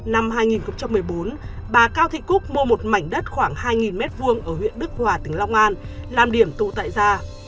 năm hai nghìn một mươi bốn bà cao thị cúc mua một mảnh đất khoảng hai m hai ở huyện đức hòa tỉnh long an làm điểm tụ tại ra